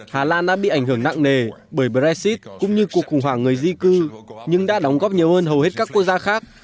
hà lan đã bị ảnh hưởng nặng nề bởi brexit cũng như cuộc khủng hoảng người di cư nhưng đã đóng góp nhiều hơn hầu hết các quốc gia khác